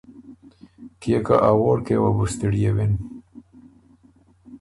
کيې که ا ووړکئ یه وه بُو ستِړيېوِن۔